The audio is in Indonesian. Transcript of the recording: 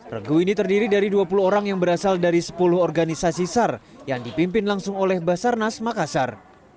regu ini terdiri dari dua puluh orang yang berasal dari sepuluh organisasi sar yang dipimpin langsung oleh basarnas makassar